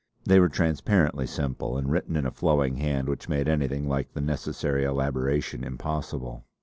They were transparently simple and written in a flowing hand which made anything like the necessary elaboration impossible.